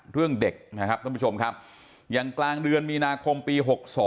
เรื่องเด็กนะครับท่านผู้ชมครับอย่างกลางเดือนมีนาคมปี๖๒